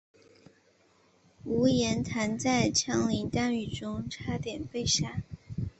吴廷琰在枪林弹雨中差点被杀。